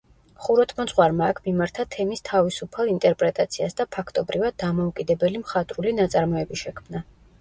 ხუროთმოძღვარმა აქ მიმართა თემის თავისუფალ ინტერპრეტაციას და ფაქტობრივად დამოუკიდებელი მხატვრული ნაწარმოები შექმნა.